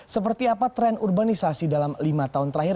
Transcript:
seperti apa tren urbanisasi dalam lima tahun terakhir